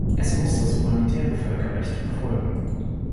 Es muss das humanitäre Völkerrecht befolgen.